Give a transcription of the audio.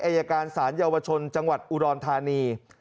อายการศาลเยาวชนจังหวัดอุดรธานี